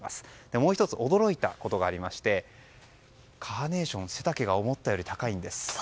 もう１つ驚いたことがありましてカーネーション、背丈が思ったより高いんです。